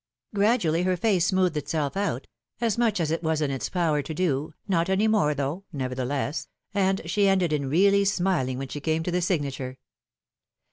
Gradually her face smoothed itself out — as much as it was in its power to do, not any more though, nevertheless — and she ended in really smiling when she came to the signature.